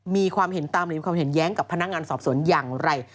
มีความเห็นตามหรือมีความเห็นแย้งกับพนักงานสอบสวนอย่างไร